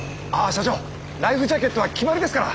社長ライフジャケットは決まりですから。